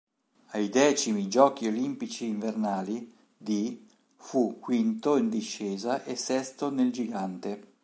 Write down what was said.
Ai X Giochi olimpici invernali di fu quinto in discesa e sesto nel gigante.